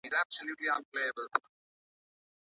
ولي لېواله انسان د مخکښ سړي په پرتله موخي ترلاسه کوي؟